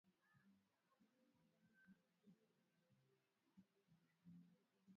alikuwa na jahazi nne na watu mia moja sabini